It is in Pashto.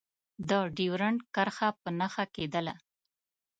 د ډیورنډ کرښه په نښه کېدله.